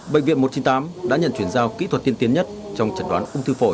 bệnh viện một trăm chín mươi tám đã nhận chuyển giao kỹ thuật tiên tiến nhất trong chẩn đoán ung thư phổi